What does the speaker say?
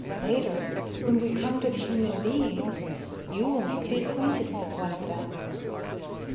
Later, when we come to the human beings, you will make the acquaintance of one of them."